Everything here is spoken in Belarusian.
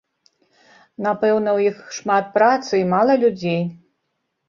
Напэўна, у іх шмат працы і мала людзей.